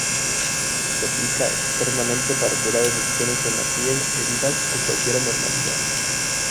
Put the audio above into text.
Se aplica externamente para curar erupciones en la piel, heridas o cualquier anormalidad.